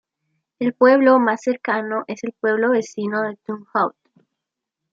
El pueblo más cercano es el pueblo vecino de Turnhout.